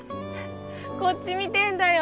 こっち見てんだよ